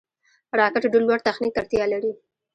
راکټ ډېر لوړ تخنیک ته اړتیا لري